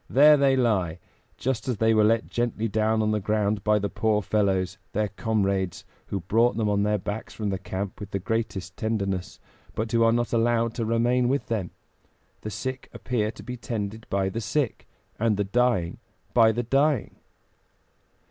There they lie, just as they were let gently down on the ground by the poor fellows, their comrades, who brought them on their backs from the camp with the greatest tenderness, but who are not allowed to remain with them. The sick appear to be tended by the sick, and the dying by the dying."